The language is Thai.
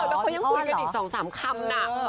แล้วเขายังคุยกันอีก๒๓คำนะ